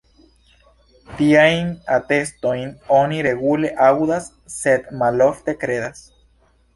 Tiajn atestojn oni regule aŭdas sed malofte kredas.